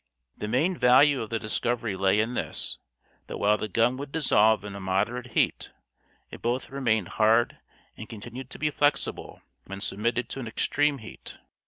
The main value of the discovery lay in this, that while the gum would dissolve in a moderate heat, it both remained hard and continued to be flexible when submitted to an extreme heat.